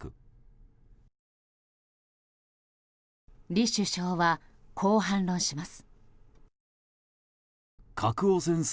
李首相は、こう反論します。